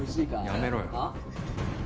やめろよ。